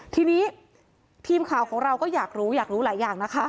ทีนี้ทีมข่าวของเราก็อยากรู้อยากรู้หลายอย่างนะคะ